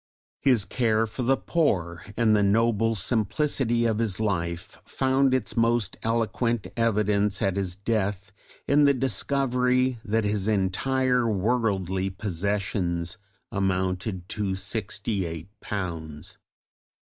His care for the poor and the noble simplicity of his life found its most eloquent evidence at his death in the discovery that his entire worldly possessions amounted to sixty eight pounds.